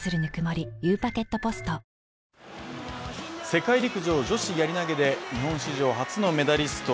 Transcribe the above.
世界陸上・女子やり投で日本史上初のメダリスト